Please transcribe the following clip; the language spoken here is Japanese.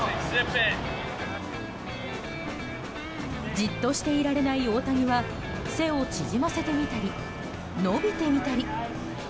じっとしていられない大谷は背を縮ませてみたり伸びてみたり。